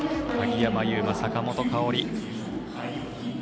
鍵山優真と、坂本花織。